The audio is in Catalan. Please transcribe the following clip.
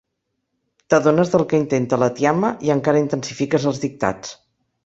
T'adones del que intenta la tiama i encara intensifiques els dictats.